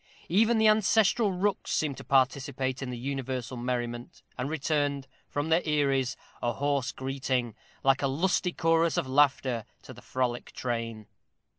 Even the ancestral rooks seemed to participate in the universal merriment, and returned, from their eyries, a hoarse greeting, like a lusty chorus of laughter, to the frolic train.